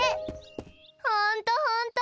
ほんとほんと。